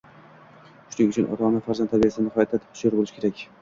Shuning uchun ota-ona farzand tarbiyasida nihoyatda hushyor bo‘lishi kerak